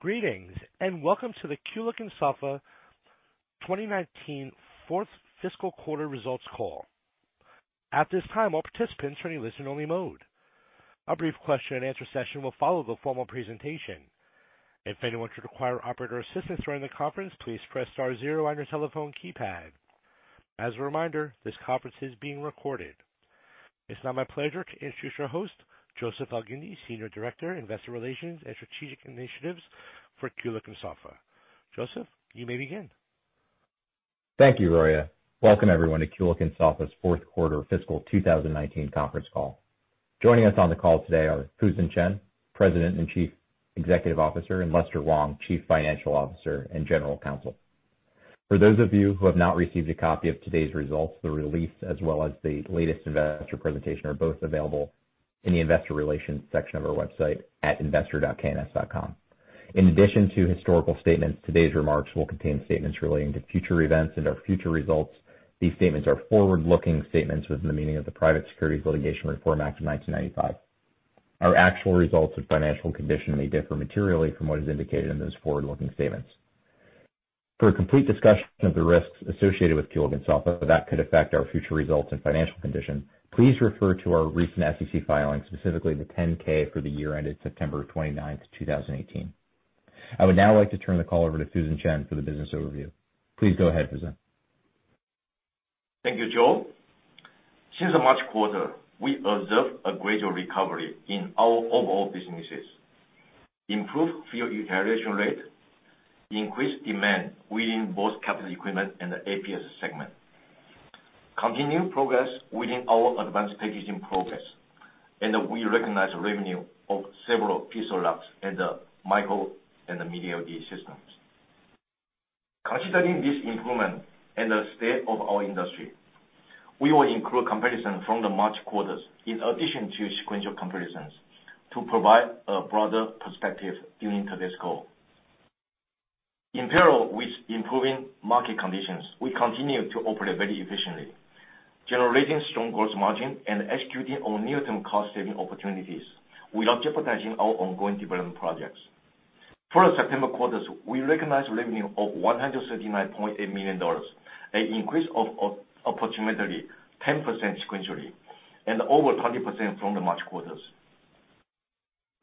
Greetings, and welcome to the Kulicke and Soffa 2019 Fourth Fiscal Quarter Results Call. At this time, all participants are in listen-only mode. A brief question and answer session will follow the formal presentation. If anyone should require operator assistance during the conference, please press star zero on your telephone keypad. As a reminder, this conference is being recorded. It is now my pleasure to introduce our host, Joseph Elgindy, Senior Director, Investor Relations and Strategic Initiatives for Kulicke and Soffa. Joseph, you may begin. Thank you, Roya. Welcome, everyone, to Kulicke and Soffa's fourth quarter fiscal 2019 conference call. Joining us on the call today are Fusen Chen, President and Chief Executive Officer, and Lester Wong, Chief Financial Officer and General Counsel. For those of you who have not received a copy of today's results, the release as well as the latest investor presentation are both available in the investor relations section of our website at investor.kns.com. In addition to historical statements, today's remarks will contain statements relating to future events and/or future results. These statements are forward-looking statements within the meaning of the Private Securities Litigation Reform Act of 1995. Our actual results and financial condition may differ materially from what is indicated in those forward-looking statements. For a complete discussion of the risks associated with Kulicke and Soffa that could affect our future results and financial condition, please refer to our recent SEC filings, specifically the 10-K for the year ended September 29th, 2018. I would now like to turn the call over to Fusen Chen for the business overview. Please go ahead, Fusen. Thank you, Joe. Since the March quarter, we observed a gradual recovery in our overall businesses. Improved field utilization rate, increased demand within both capital equipment and the APS segment. Continued progress within our advanced packaging progress, we recognize revenue of several PIXALUX and Micro-LED and the Mini-LED systems. Considering this improvement and the state of our industry, we will include comparison from the March quarter in addition to sequential comparisons to provide a broader perspective during today's call. In parallel with improving market conditions, we continue to operate very efficiently, generating strong gross margin and executing on near-term cost-saving opportunities without jeopardizing our ongoing development projects. For the September quarter, we recognized revenue of $139.8 million, an increase of approximately 10% sequentially, and over 20% from the March quarter.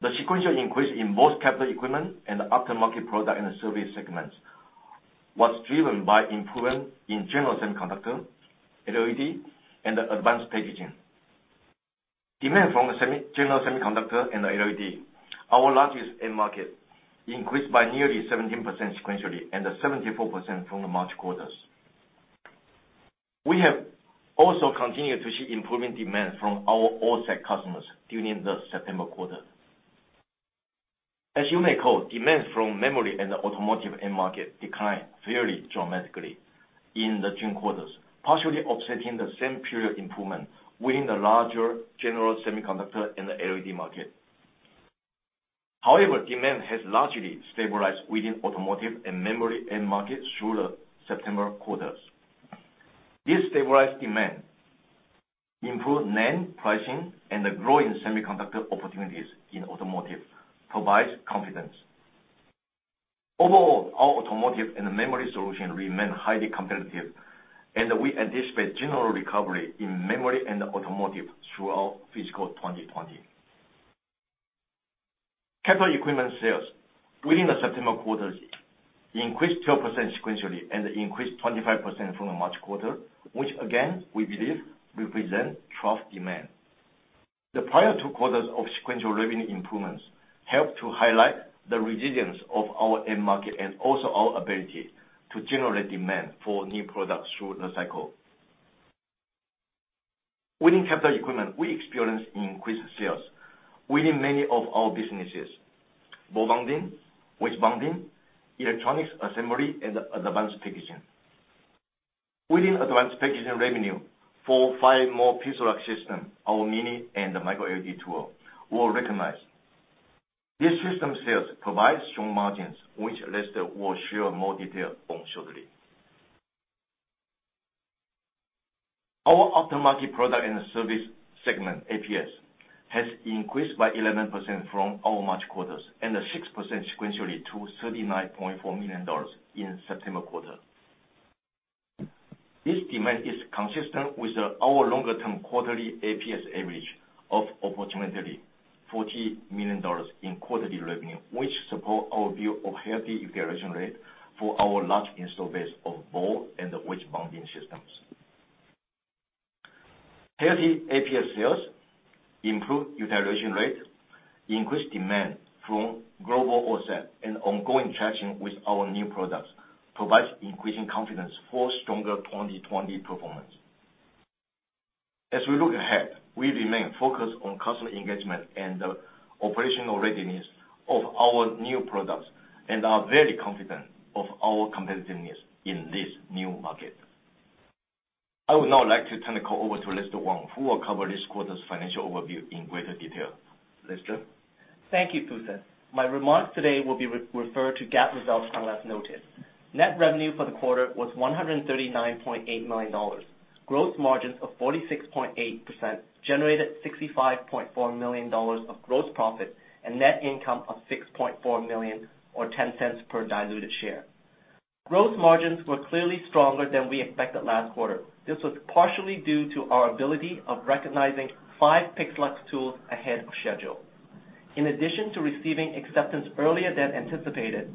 The sequential increase in both capital equipment and the aftermarket product and service segments was driven by improvement in general semiconductor, LED, and advanced packaging. Demand from the general semiconductor and the LED, our largest end market, increased by nearly 17% sequentially and 74% from the March quarters. We have also continued to see improving demand from our OSAT customers during the September quarter. As you may recall, demand from memory and the automotive end market declined fairly dramatically in the June quarters, partially offsetting the same period improvement within the larger general semiconductor and the LED market. However, demand has largely stabilized within automotive and memory end markets through the September quarters. This stabilized demand, improved NAND pricing, and the growing semiconductor opportunities in automotive provides confidence. Overall, our automotive and memory solution remain highly competitive, and we anticipate general recovery in memory and automotive throughout fiscal 2020. Capital equipment sales within the September quarters increased 12% sequentially and increased 25% from the March quarter, which again, we believe represent trough demand. The prior two quarters of sequential revenue improvements help to highlight the resilience of our end market and also our ability to generate demand for new products through the cycle. Within capital equipment, we experienced increased sales within many of our businesses: ball bonding, wedge bonding, electronics assembly, and advanced packaging. Within advanced packaging revenue, four, five more PIXALUX system, our Mini-LED and the Micro-LED tool were recognized. These system sales provide strong margins, which Lester will share more detail on shortly. Our aftermarket product and service segment, APS, has increased by 11% from our March quarters and 6% sequentially to $39.4 million in September quarter. This demand is consistent with our longer-term quarterly APS average of approximately $40 million in quarterly revenue, which support our view of healthy utilization rate for our large install base of ball and wedge bonding systems. Healthy APS sales, improved utilization rate, increased demand from global OSAT, and ongoing traction with our new products provides increasing confidence for stronger 2020 performance. As we look ahead, we remain focused on customer engagement and the operational readiness of our new products and are very confident of our competitiveness in this new market. I would now like to turn the call over to Lester Wong, who will cover this quarter's financial overview in greater detail. Lester? Thank you, Fusen. My remarks today will be referred to GAAP results unless noted. Net revenue for the quarter was $139.8 million. Gross margins of 46.8% generated $65.4 million of gross profit and net income of $6.4 million or $0.10 per diluted share. Gross margins were clearly stronger than we expected last quarter. This was partially due to our ability of recognizing five PIXALUX tools ahead of schedule. In addition to receiving acceptance earlier than anticipated,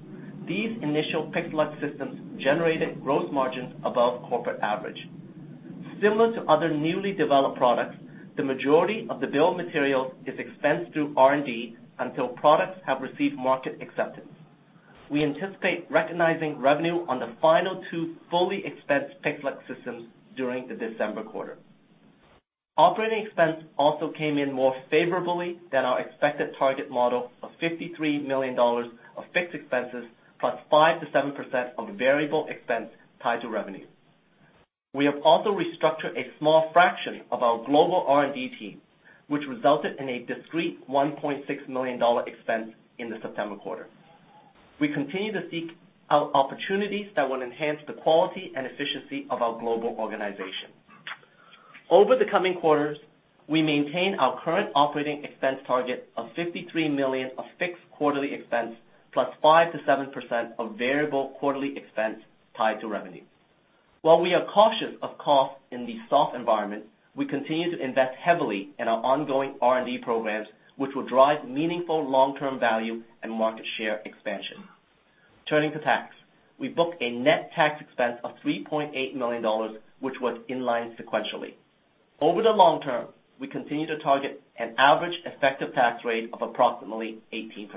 these initial PIXALUX systems generated gross margins above corporate average. Similar to other newly developed products, the majority of the bill of materials is expensed through R&D until products have received market acceptance. We anticipate recognizing revenue on the final two fully expensed PIXALUX systems during the December quarter. Operating expense also came in more favorably than our expected target model of $53 million of fixed expenses, +5%-7% of variable expense tied to revenue. We have also restructured a small fraction of our global R&D team, which resulted in a discrete $1.6 million expense in the September quarter. We continue to seek out opportunities that will enhance the quality and efficiency of our global organization. Over the coming quarters, we maintain our current operating expense target of $53 million of fixed quarterly expense, +5%-7% of variable quarterly expense tied to revenue. While we are cautious of costs in the soft environment, we continue to invest heavily in our ongoing R&D programs, which will drive meaningful long-term value and market share expansion. Turning to tax. We booked a net tax expense of $3.8 million, which was in line sequentially. Over the long term, we continue to target an average effective tax rate of approximately 18%.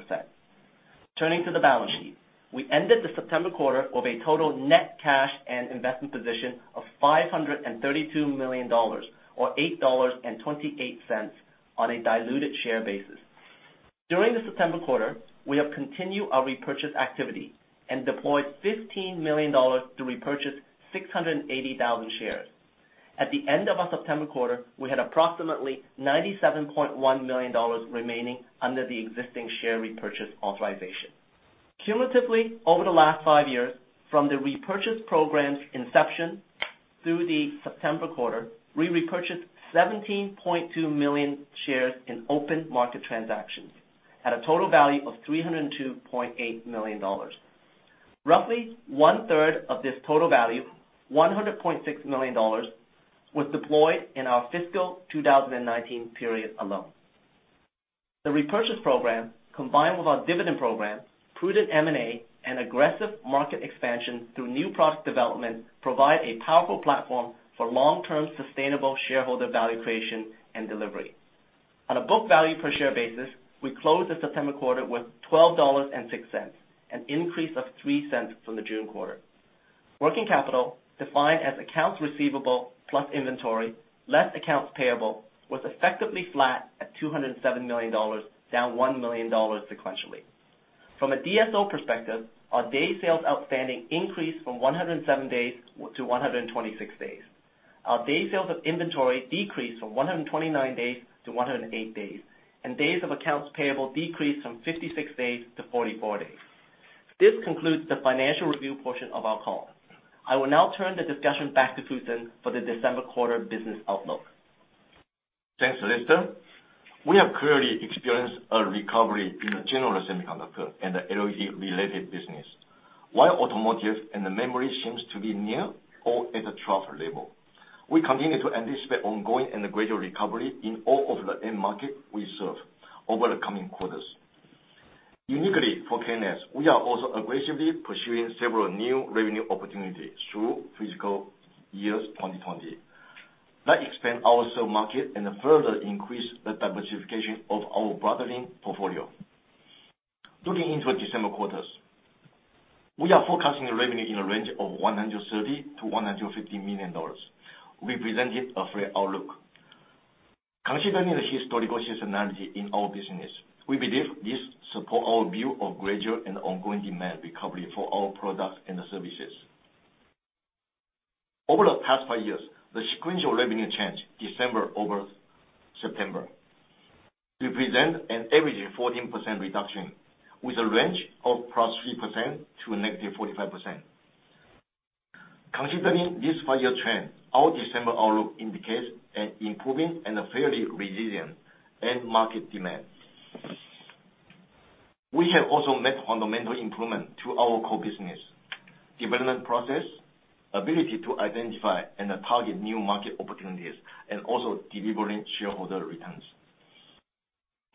Turning to the balance sheet. We ended the September quarter with a total net cash and investment position of $532 million or $8.28 on a diluted share basis. During the September quarter, we have continued our repurchase activity and deployed $15 million to repurchase 680,000 shares. At the end of our September quarter, we had approximately $97.1 million remaining under the existing share repurchase authorization. Cumulatively, over the last five years, from the repurchase program's inception through the September quarter, we repurchased 17.2 million shares in open market transactions at a total value of $302.8 million. Roughly 1/3 of this total value, $100.6 million, was deployed in our fiscal 2019 period alone. The repurchase program, combined with our dividend program, prudent M&A, and aggressive market expansion through new product development, provide a powerful platform for long-term sustainable shareholder value creation and delivery. On a book value per share basis, we closed the September quarter with $12.06, an increase of $0.03 from the June quarter. Working capital, defined as accounts receivable plus inventory, less accounts payable, was effectively flat at $207 million, down $1 million sequentially. From a DSO perspective, our day sales outstanding increased from 107 days to 126 days. Our day sales of inventory decreased from 129 days to 108 days. Days of accounts payable decreased from 56 days to 44 days. This concludes the financial review portion of our call. I will now turn the discussion back to Fusen for the December quarter business outlook. Thanks, Lester. We have clearly experienced a recovery in the general semiconductor and the LED related business. While automotive and the memory seems to be near or at a trough level, we continue to anticipate ongoing and a greater recovery in all of the end market we serve over the coming quarters. Uniquely for K&S, we are also aggressively pursuing several new revenue opportunities through FY 2020 that expand our end market and further increase the diversification of our broadening portfolio. Looking into December quarters, we are forecasting a revenue in a range of $130 million-$150 million, representing a fair outlook. Considering the historical seasonality in our business, we believe this support our view of gradual and ongoing demand recovery for our products and services. Over the past five years, the sequential revenue change December over September represent an average of 14% reduction with a range of +3% to a -45%. Considering this five-year trend, our December outlook indicates an improving and a fairly resilient end market demand. We have also made fundamental improvement to our core business development process, ability to identify and target new market opportunities, and also delivering shareholder returns.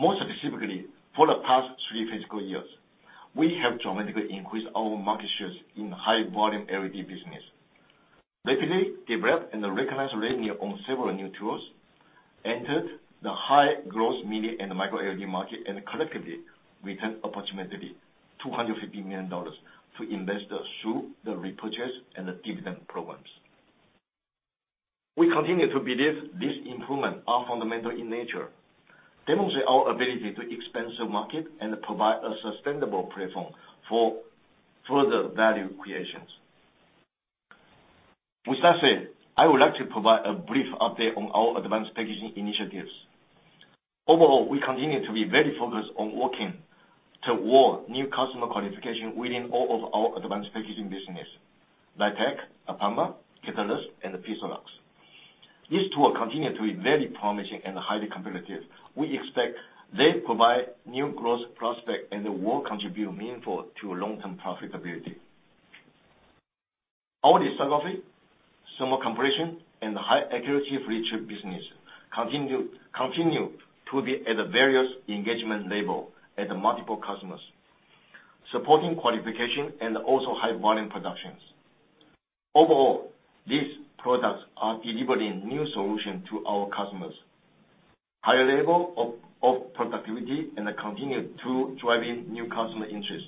More specifically, for the past three fiscal years, we have dramatically increased our market shares in high volume LED business, rapidly developed and recognized revenue on several new tools, entered the high growth media and the Micro-LED market, and collectively returned approximately $250 million to investors through the repurchase and the dividend programs. We continue to believe these improvements are fundamental in nature, demonstrate our ability to expand the market, and provide a sustainable platform for further value creation. With that said, I would like to provide a brief update on our advanced packaging initiatives. Overall, we continue to be very focused on working toward new customer qualification within all of our advanced packaging business, Liteq, APAMA, Katalyst, and the PIXALUX. These tools continue to be very promising and highly competitive. We expect they provide new growth prospect and will contribute meaningful to long-term profitability. Our lithography, thermal compression, and high accuracy flip chip business continue to be at the various engagement level at multiple customers, supporting qualification and also high volume productions. Overall, these products are delivering new solution to our customers, higher level of productivity, and are continued to driving new customer interest.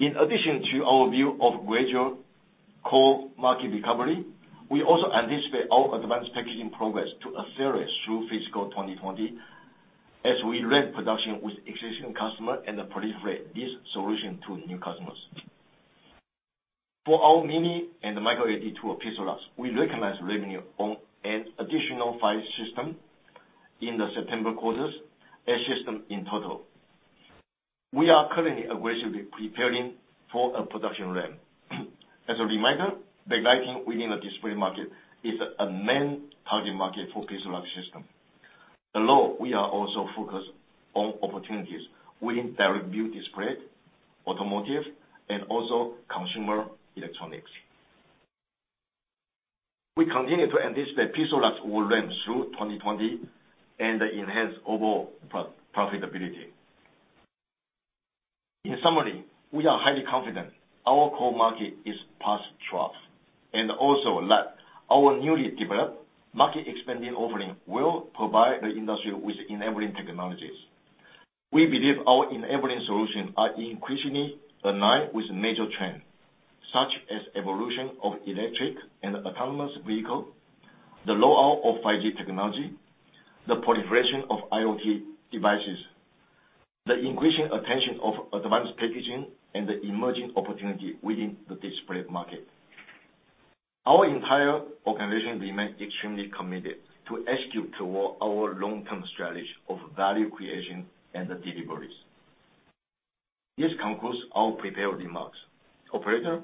In addition to our view of gradual core market recovery, we also anticipate our advanced packaging progress to accelerate through fiscal 2020 as we ramp production with existing customer and proliferate this solution to new customers. For our Mini-LED and Micro-LED tool, PIXALUX, we recognize revenue on an additional five system in the September quarters. Eight system in total. We are currently aggressively preparing for a production ramp. As a reminder, the lighting within the display market is a main target market for PIXALUX system. Although, we are also focused on opportunities within direct view display, automotive, and also consumer electronics. We continue to anticipate PIXALUX will ramp through 2020 and enhance overall profitability. In summary, we are highly confident our core market is past trough, and also that our newly developed market expanding offering will provide the industry with enabling technologies. We believe our enabling solutions are increasingly aligned with major trends, such as evolution of electric and autonomous vehicles, the rollout of 5G technology, the proliferation of IoT devices, the increasing attention of advanced packaging, and the emerging opportunity within the display market. Our entire organization remains extremely committed to execute toward our long-term strategy of value creation and delivery. This concludes our prepared remarks. Operator,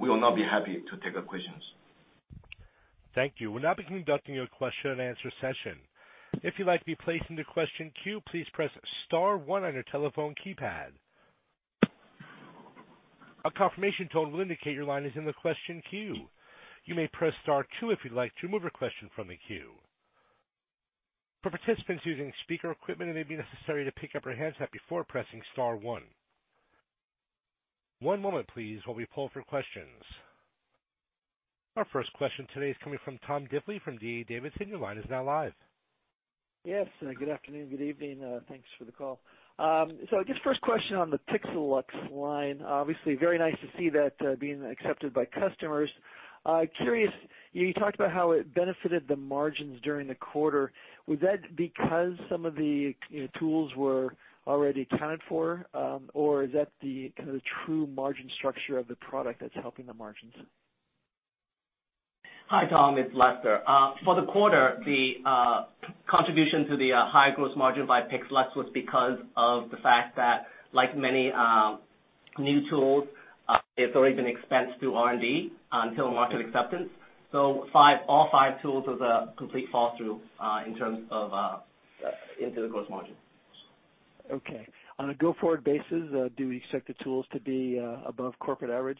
we will now be happy to take questions. Thank you. We'll now be conducting your question and answer session. If you'd like to be placed into question queue, please press star one on your telephone keypad. A confirmation tone will indicate your line is in the question queue. You may press star two if you'd like to remove a question from the queue. For participants using speaker equipment, it may be necessary to pick up your handset before pressing star one. One moment please, while we pull for questions. Our first question today is coming from Tom Diffely from D.A. Davidson, your line is now live. Yes. Good afternoon, good evening. Thanks for the call. Just first question on the PIXALUX line, obviously very nice to see that being accepted by customers. Curious, you talked about how it benefited the margins during the quarter. Was that because some of the tools were already accounted for? Or is that the true margin structure of the product that's helping the margins? Hi, Tom. It's Lester. For the quarter, the contribution to the high gross margin by PIXALUX was because of the fact that like many new tools, it's already been expensed through R&D until market acceptance. All five tools was a complete fall through into the gross margin. Okay. On a go forward basis, do we expect the tools to be above corporate average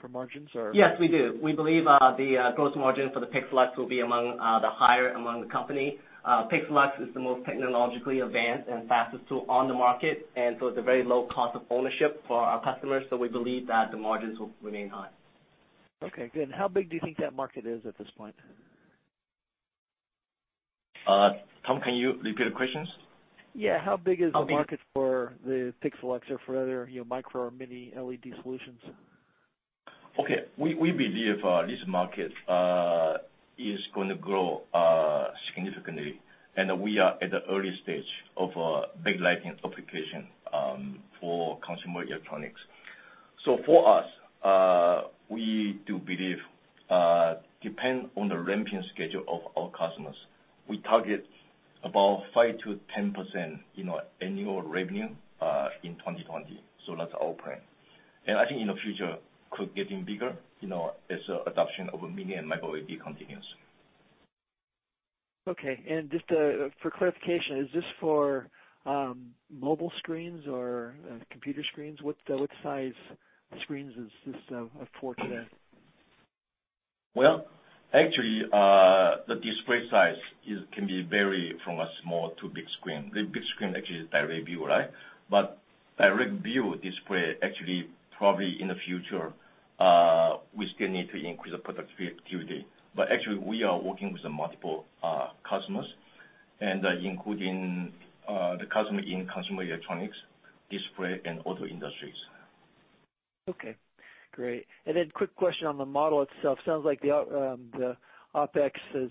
for margins or? Yes, we do. We believe the gross margin for the PIXALUX will be the higher among the company. PIXALUX is the most technologically advanced and fastest tool on the market, and so it's a very low cost of ownership for our customers. We believe that the margins will remain high. Okay, good. How big do you think that market is at this point? Tom, can you repeat the questions? Yeah. How big is the market for the PIXALUX or for other Micro-LED or Mini-LED solutions? Okay. We believe this market is going to grow significantly, we are at the early stage of big lighting application for consumer electronics. For us, we do believe, depend on the ramping schedule of our customers, we target about 5%-10% in annual revenue, in 2020. That's our plan. I think in the future could getting bigger, as adoption of Mini-LED and Micro-LED continues. Okay. Just for clarification, is this for mobile screens or computer screens? What size screens is this for today? Well, actually, the display size can be vary from a small to big screen. The big screen actually is direct view, right? Direct view display, actually, probably in the future, we still need to increase the productivity. Actually, we are working with multiple customers and including the customer in consumer electronics, display, and auto industries. Okay, great. Quick question on the model itself. Sounds like the OpEx is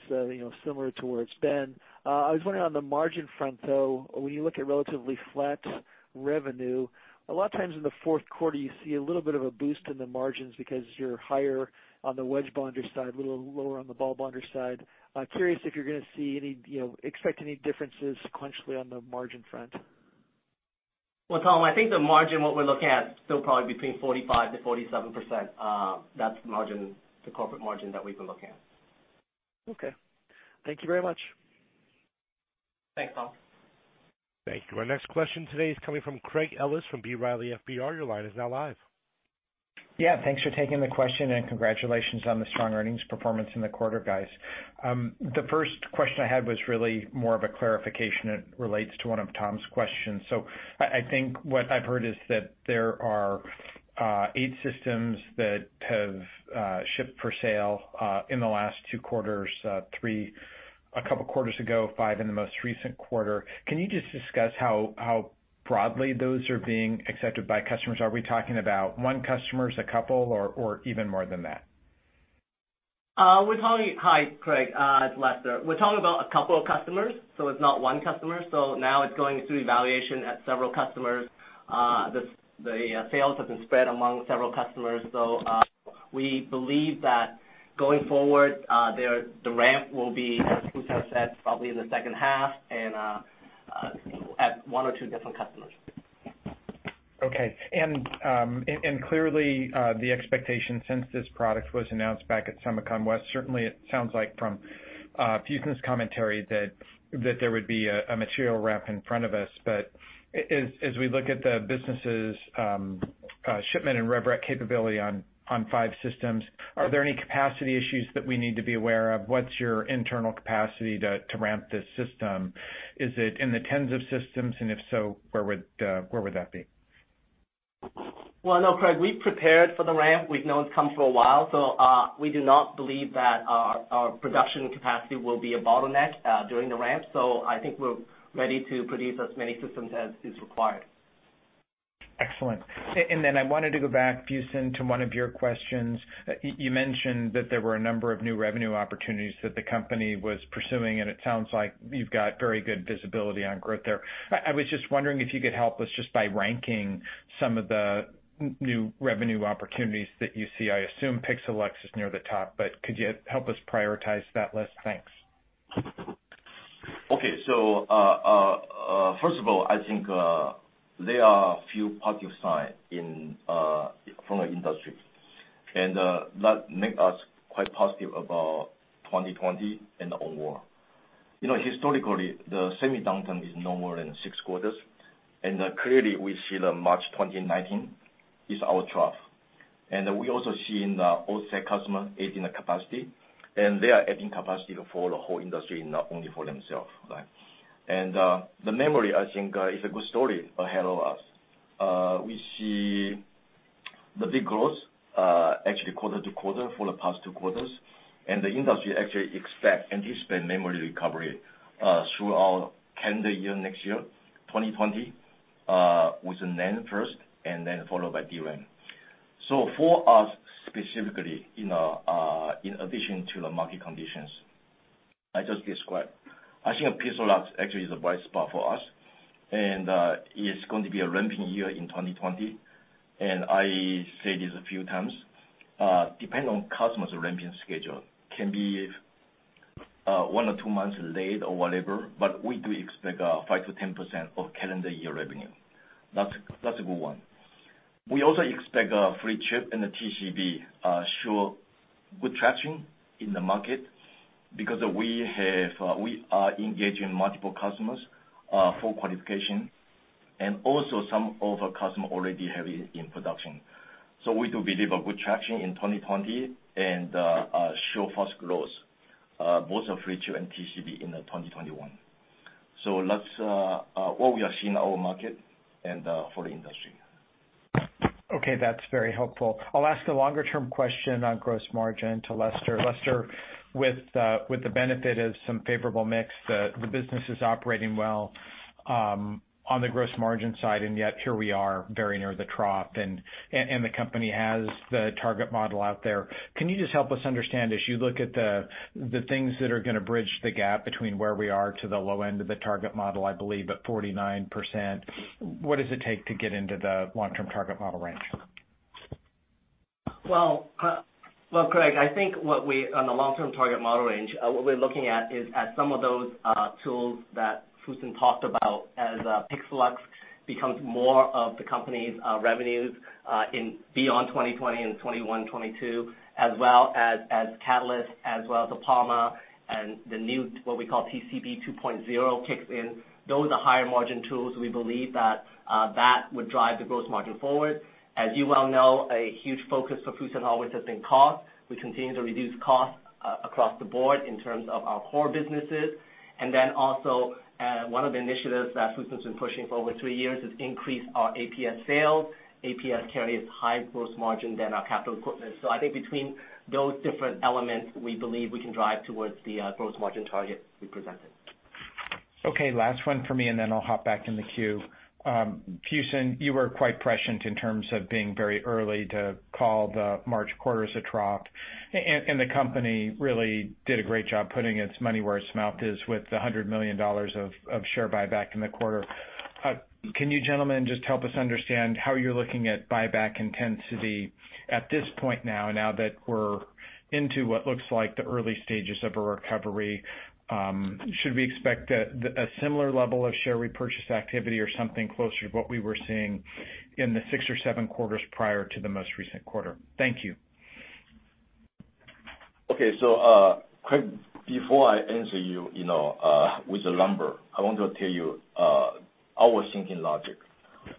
similar to where it's been. I was wondering on the margin front, though, when you look at relatively flat revenue, a lot of times in the fourth quarter, you see a little bit of a boost in the margins because you're higher on the wedge bonder side, a little lower on the ball bonder side. Curious if you're going to expect any differences sequentially on the margin front. Well, Tom, I think the margin, what we're looking at, still probably between 45%-47%. That's the corporate margin that we've been looking at. Okay. Thank you very much. Thanks, Tom. Thank you. Our next question today is coming from Craig Ellis from B. Riley FBR. Your line is now live. Thanks for taking the question and congratulations on the strong earnings performance in the quarter, guys. The first question I had was really more of a clarification. It relates to one of Tom's questions. I think what I've heard is that there are eight systems that have shipped for sale in the last two quarters, three a couple of quarters ago, five in the most recent quarter. Can you just discuss how broadly those are being accepted by customers? Are we talking about one customer, a couple, or even more than that? Hi, Craig. It's Lester. We're talking about a couple of customers, so it's not one customer. Now it's going through evaluation at several customers. The sales have been spread among several customers. We believe that going forward, the ramp will be, as Fusen said, probably in the second half and at one or two different customers. Okay. Clearly, the expectation since this product was announced back at SEMICON West, certainly it sounds like from Fusen's commentary that there would be a material ramp in front of us. As we look at the business's shipment and rev rec capability on five systems, are there any capacity issues that we need to be aware of? What's your internal capacity to ramp this system? Is it in the tens of systems? If so, where would that be? Well, no, Craig, we've prepared for the ramp. We've known it's come for a while, so we do not believe that our production capacity will be a bottleneck during the ramp. I think we're ready to produce as many systems as is required. Excellent. I wanted to go back, Fusen, to one of your questions. You mentioned that there were a number of new revenue opportunities that the company was pursuing, and it sounds like you've got very good visibility on growth there. I was just wondering if you could help us just by ranking some of the new revenue opportunities that you see. I assume PIXALUX is near the top, but could you help us prioritize that list? Thanks. Okay. First of all, I think there are a few positive signs from the industry, and that make us quite positive about 2020 and onward. Historically, the semi-downturn is no more than six quarters, and clearly we see that March 2019 is our trough. We also see in the OSAT adding the capacity, and they are adding capacity for the whole industry, not only for themselves. The memory, I think, is a good story ahead of us. We see the big growth, actually quarter-to-quarter for the past two quarters, and the industry actually expects to spend memory recovery throughout calendar year next year, 2020, with the NAND first and then followed by DRAM. For us specifically, in addition to the market conditions I just described, I think PIXALUX actually is the bright spot for us, and it's going to be a ramping year in 2020. I said this a few times, depending on customers' ramping schedule, can be one or two months late or whatever, but we do expect 5%-10% of calendar year revenue. That's a good one. We also expect a 3D-IC and the TCB show good traction in the market because we are engaging multiple customers for qualification and also some of our customers already have it in production. We do believe a good traction in 2020 and show first growth, both of 3D-IC and TCB in 2021. That's what we are seeing in our market and for the industry. Okay. That's very helpful. I'll ask a longer-term question on gross margin to Lester. Lester, with the benefit of some favorable mix, the business is operating well on the gross margin side, and yet here we are, very near the trough, and the company has the target model out there. Can you just help us understand, as you look at the things that are going to bridge the gap between where we are to the low end of the target model, I believe, at 49%, what does it take to get into the long-term target model range? Craig, I think on the long-term target model range, what we're looking at is at some of those tools that Fusen talked about. As PIXALUX becomes more of the company's revenues beyond 2020 and 2021, 2022, as well as Katalyst, as well as the APAMA and the new, what we call TCB 2.0 kicks in. Those are higher margin tools. We believe that that would drive the gross margin forward. As you well know, a huge focus for Fusen always has been cost. We continue to reduce costs across the board in terms of our core businesses. One of the initiatives that Fusen's been pushing for over three years is increase our APS sales. APS carries higher gross margin than our capital equipment. I think between those different elements, we believe we can drive towards the gross margin target we presented. Okay, last one for me, and then I'll hop back in the queue. Fusen, you were quite prescient in terms of being very early to call the March quarter as a trough. The company really did a great job putting its money where its mouth is with the $100 million of share buyback in the quarter. Can you gentlemen just help us understand how you're looking at buyback intensity at this point now that we're into what looks like the early stages of a recovery? Should we expect a similar level of share repurchase activity or something closer to what we were seeing in the six or seven quarters prior to the most recent quarter? Thank you. Okay. Craig, before I answer you with the number, I want to tell you our thinking logic.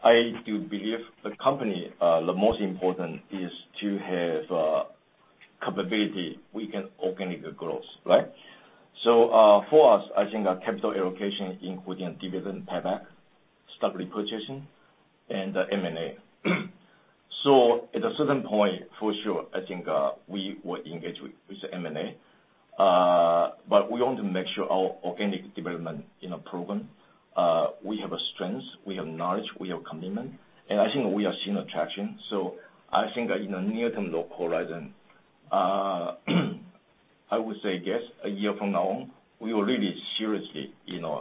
I do believe the company, the most important is to have capability. We can organic growth, right? For us, I think our capital allocation, including dividend buyback, stock repurchase, and M&A. At a certain point, for sure, I think we will engage with M&A. We want to make sure our organic development in a program, we have strength, we have knowledge, we have commitment, and I think we are seeing attraction. I think near-term low horizon, I would say yes, a year from now, we will really seriously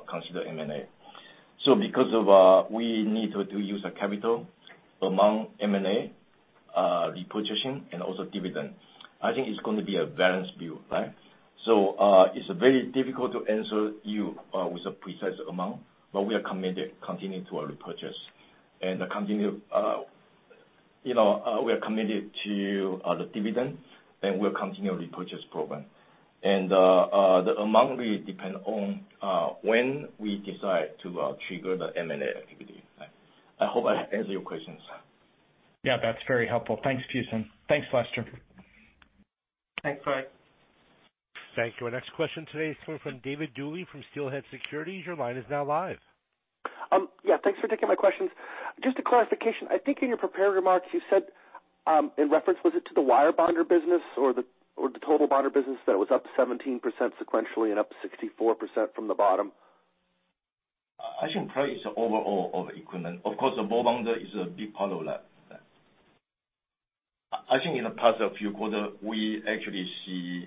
consider M&A. Because we need to use the capital among M&A, reposition, and also dividend, I think it's going to be a balanced view. It's very difficult to answer you with a precise amount, but we are committed continuing to our repurchase and we are committed to the dividend, and we'll continue the repurchase program. The amount will depend on when we decide to trigger the M&A activity. I hope I answered your questions. Yeah, that's very helpful. Thanks, Fusen. Thanks, Lester. Thanks, Craig. Thank you. Our next question today is coming from David Duley from Steelhead Securities. Your line is now live. Yeah, thanks for taking my questions. Just a clarification. I think in your prepared remarks, you said, in reference, was it to the wire bonder business or the total bonder business, that it was up 17% sequentially and up 64% from the bottom? I think probably it's the overall equipment. Of course, the ball bonder is a big part of that. I think in the past few quarters, we actually see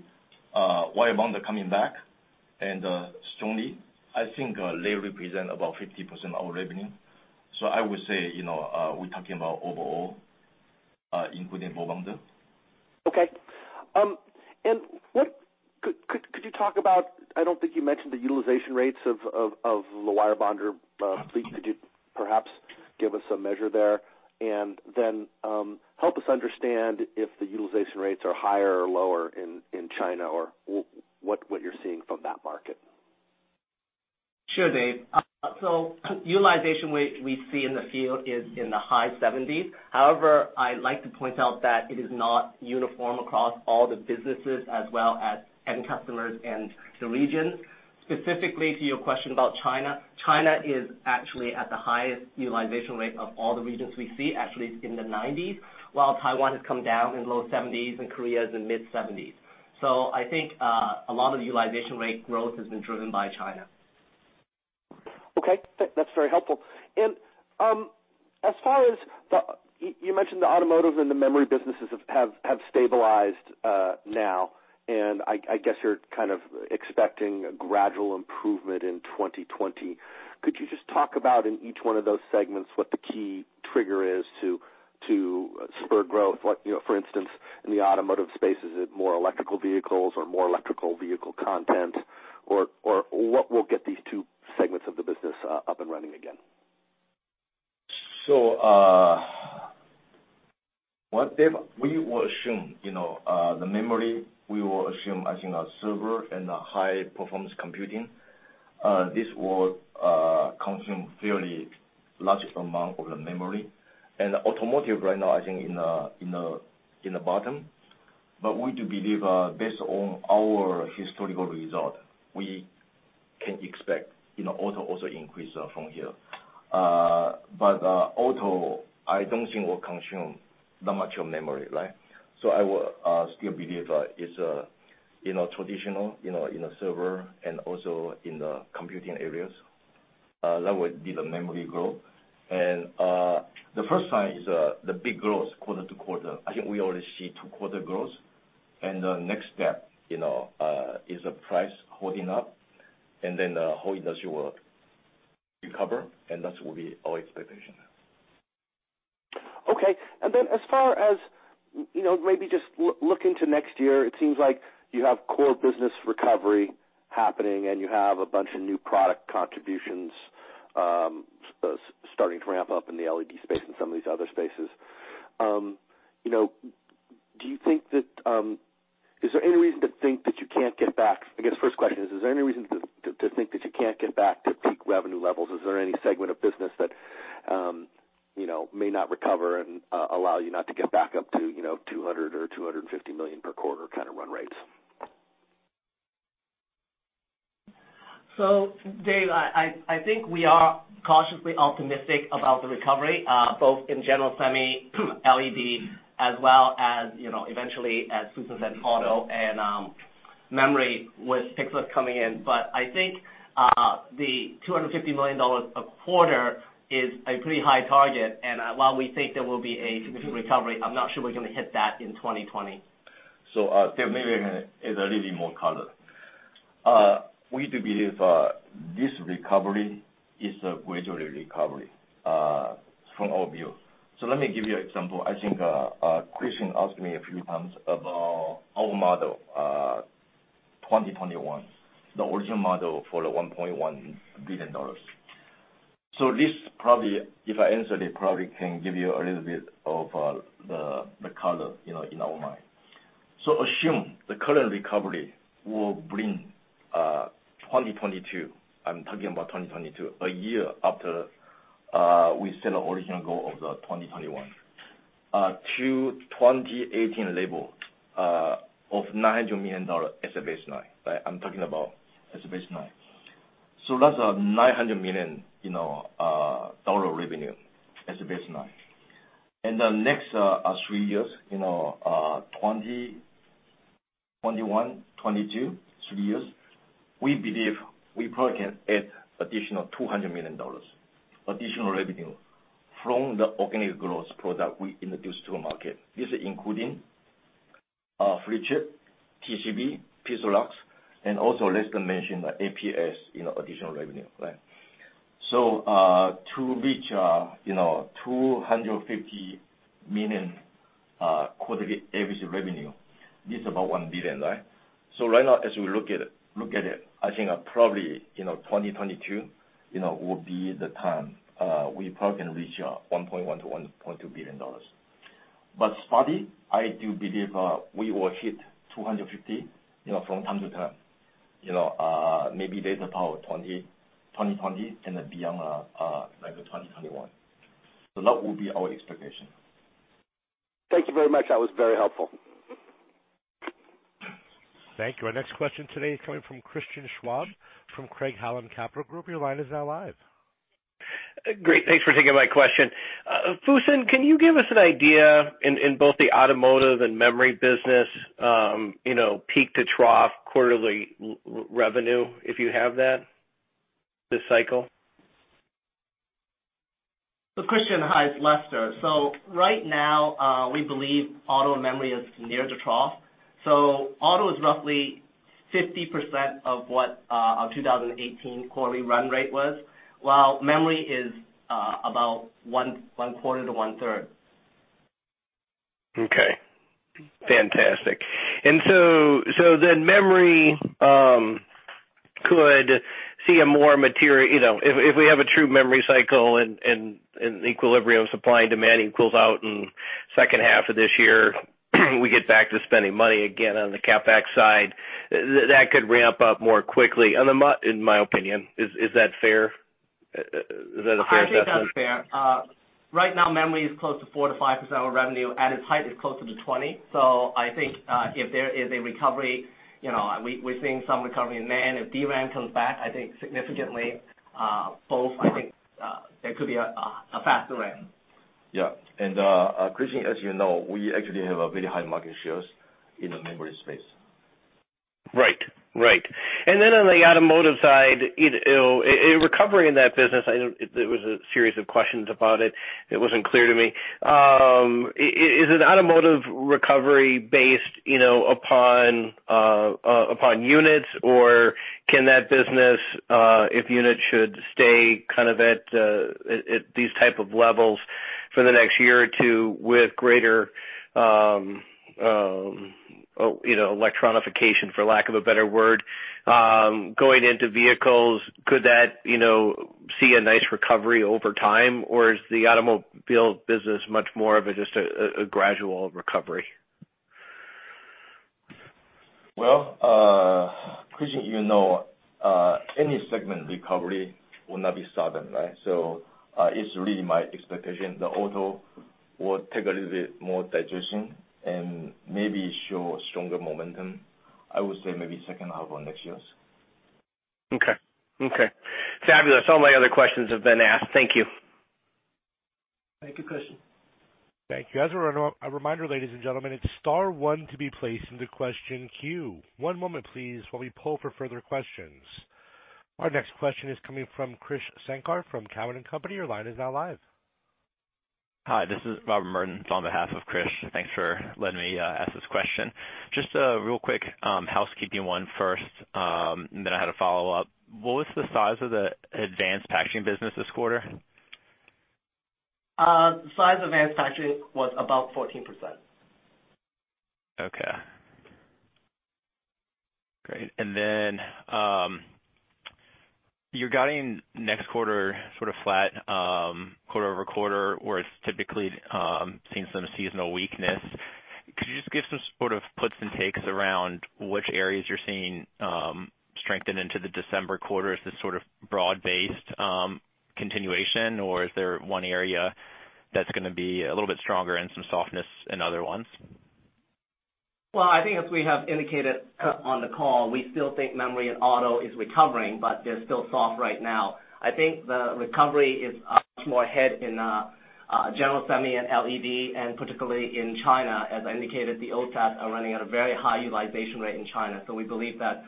wire bonder coming back, and strongly. I think they represent about 50% of our revenue. I would say, we're talking about overall, including ball bonder. Okay. Could you talk about, I don't think you mentioned the utilization rates of the wire bonder fleet. Could you perhaps give us a measure there? Help us understand if the utilization rates are higher or lower in China, or what you're seeing from that market. Sure, Dave. Utilization rate we see in the field is in the high 70s. However, I like to point out that it is not uniform across all the businesses as well as end customers and the regions. Specifically to your question about China is actually at the highest utilization rate of all the regions we see, actually it's in the 90s, while Taiwan has come down in low 70s and Korea is in mid-70s. I think a lot of the utilization rate growth has been driven by China. Okay. That's very helpful. As far as, you mentioned the automotive and the memory businesses have stabilized now, and I guess you're kind of expecting a gradual improvement in 2020. Could you just talk about in each one of those segments, what the key trigger is to spur growth? For instance, in the automotive space, is it more electrical vehicles or more electrical vehicle content? What will get these two segments of the business up and running again? Dave, we will assume the memory, we will assume I think server and high performance computing, this will consume fairly large amount of the memory. Automotive right now, I think in the bottom. We do believe, based on our historical result, we can expect auto also increase from here. Auto, I don't think will consume that much of memory. I would still believe it's traditional in server and also in the computing areas. That would be the memory growth. The first sign is the big growth quarter-to-quarter. I think we already see two quarter growth. The next step is the price holding up, and then how industrial recover, and that will be our expectation. Okay. As far as maybe just look into next year, it seems like you have core business recovery happening, and you have a bunch of new product contributions starting to ramp up in the LED space and some of these other spaces. I guess first question is there any reason to think that you can't get back to peak revenue levels? Is there any segment of business that may not recover and allow you not to get back up to $200 million or $250 million per quarter kind of run rates? Dave, I think we are cautiously optimistic about the recovery, both in general semi, LED, as well as eventually, as Fusen said, auto and memory with PIXALUX coming in. I think the $250 million a quarter is a pretty high target. While we think there will be a significant recovery, I'm not sure we're going to hit that in 2020. Maybe I can add a little bit more color. We do believe this recovery is a gradual recovery from our view. Let me give you an example. I think Christian asked me a few times about our model 2021, the original model for the $1.1 billion. This probably, if I answer it, probably can give you a little bit of the color in our mind. Assume the current recovery will bring 2022, I'm talking about 2022, a year after we set an original goal of the 2021, to 2018 level of $900 million as a baseline. I'm talking about as a baseline. That's a $900 million revenue as a baseline. In the next three years, 2021, 2022, three years, we believe we probably can add additional $200 million, additional revenue from the organic growth product we introduced to the market. This is including flip chip, TCB, PIXALUX, and also Lester mentioned APS additional revenue. To reach $250 million quarterly average revenue, this is about $1 billion. Right now, as we look at it, I think probably 2022 will be the time we probably can reach $1.1 billion-$1.2 billion. Spotty, I do believe we will hit $250 million from time to time. Maybe later part of 2020 and beyond 2021. That will be our expectation. Thank you very much. That was very helpful. Thank you. Our next question today is coming from Christian Schwab from Craig-Hallum Capital Group. Your line is now live. Great. Thanks for taking my question. Fusen, can you give us an idea in both the automotive and memory business, peak to trough quarterly revenue, if you have that, this cycle? Christian. Hi, it's Lester. Right now, we believe auto memory is near the trough. Auto is roughly 50% of what our 2018 quarterly run rate was, while memory is about one quarter to 1/3. Okay. Fantastic. If we have a true memory cycle and equilibrium supply and demand equals out in second half of this year, we get back to spending money again on the CapEx side, that could ramp up more quickly, in my opinion. Is that fair? Is that a fair assessment? I think that's fair. Right now, memory is close to 4%-5% of our revenue. At its height, it's closer to 20%. I think if there is a recovery, we're seeing some recovery in NAND. If DRAM comes back, I think significantly, both, I think it could be a faster ramp. Yeah. Christian, as you know, we actually have very high market shares in the memory space. Right. On the automotive side, a recovery in that business, I know there was a series of questions about it. It wasn't clear to me. Is an automotive recovery based upon units, or can that business, if units should stay at these type of levels for the next year or two with greater electronification, for lack of a better word, going into vehicles, could that see a nice recovery over time, or is the automobile business much more of just a gradual recovery? Well, Christian, you know any segment recovery will not be sudden, right? It's really my expectation that auto will take a little bit more digestion and maybe show stronger momentum, I would say maybe second half of next year. Okay. Fabulous. All my other questions have been asked. Thank you. Thank you, Christian. Thank you. As a reminder, ladies and gentlemen, it's star one to be placed into question queue. One moment, please, while we poll for further questions. Our next question is coming from Krish Sankar from Cowen and Company. Your line is now live. Hi, this is Robert Mertens on behalf of Krish. Thanks for letting me ask this question. Just a real quick housekeeping one first, and then I had a follow-up. What was the size of the advanced packaging business this quarter? Size advanced packaging was about 14%. Okay. Great. You're guiding next quarter sort of flat quarter-over-quarter, where it's typically seen some seasonal weakness. Could you just give some sort of puts and takes around which areas you're seeing strengthen into the December quarter? Is this sort of broad-based continuation, or is there one area that's going to be a little bit stronger and some softness in other ones? Well, I think as we have indicated on the call, we still think memory and auto is recovering, but they're still soft right now. I think the recovery is much more ahead in general semi and LED, and particularly in China. As I indicated, the OSATs are running at a very high utilization rate in China. We believe that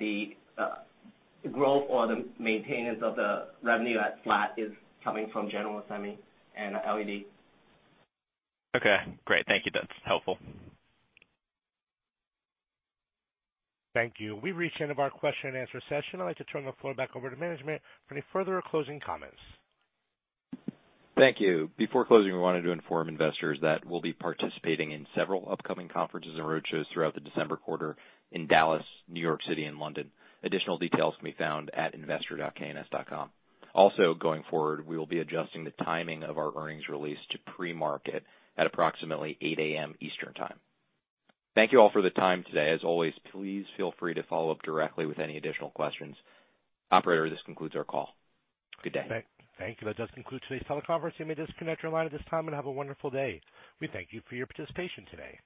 the growth or the maintenance of the revenue at flat is coming from general semi and LED. Okay, great. Thank you. That's helpful. Thank you. We've reached the end of our question and answer session. I'd like to turn the floor back over to management for any further or closing comments. Thank you. Before closing, we wanted to inform investors that we'll be participating in several upcoming conferences and roadshows throughout the December quarter in Dallas, New York City, and London. Additional details can be found at investor.kns.com. Also, going forward, we will be adjusting the timing of our earnings release to pre-market at approximately 8:00 A.M. Eastern Time. Thank you all for the time today. As always, please feel free to follow up directly with any additional questions. Operator, this concludes our call. Good day. Thank you. That does conclude today's teleconference. You may disconnect your line at this time, and have a wonderful day. We thank you for your participation today.